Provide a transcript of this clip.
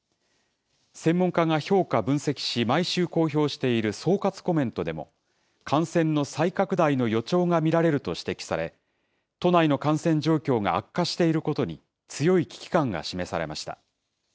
専門家が評価、分析し、毎週公表している総括コメントでも、感染の再拡大の予兆が見られると指摘され、都内の感染状況が悪化していることに、強い危機感が示されました。